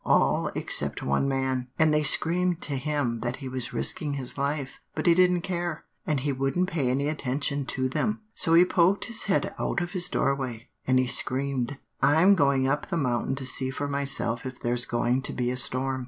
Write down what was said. All except one man, and they screamed to him that he was risking his life; but he didn't care, and he wouldn't pay any attention to them. So he poked his head out of his doorway, and he screamed, 'I'm going up the mountain to see for myself if there's going to be a storm.